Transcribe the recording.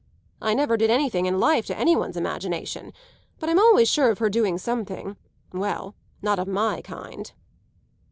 "I never did anything in life to any one's imagination. But I'm always sure of her doing something well, not of my kind."